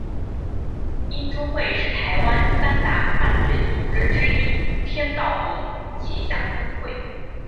鹰中会是台湾三大犯罪组织之一天道盟旗下分会。